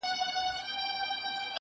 شمعي دي بلیږي او ګډیږي دي ړانده ورته!!